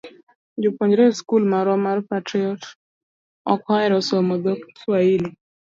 jopuonjre e skul marwa mar Patriot ok ohero somo dhok Swahili.